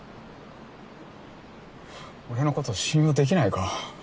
俺のこと信用できないか？